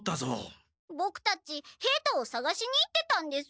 ボクたち平太をさがしに行ってたんです。